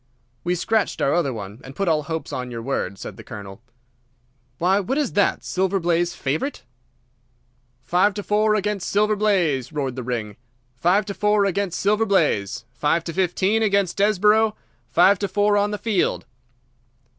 "We scratched our other one, and put all hopes on your word," said the Colonel. "Why, what is that? Silver Blaze favourite?" "Five to four against Silver Blaze!" roared the ring. "Five to four against Silver Blaze! Five to fifteen against Desborough! Five to four on the field!"